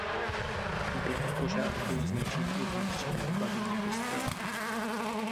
Během požáru bylo zničeno i vnitřní vybavení kostela.